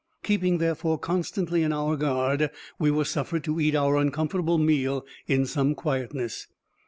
Keeping, therefore, constantly on our guard, we were suffered to eat our uncomfortable meal in some quietness.